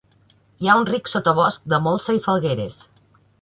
Hi ha un ric sotabosc de molsa i falgueres.